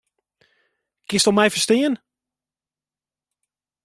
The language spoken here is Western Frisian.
Kinsto my ferstean?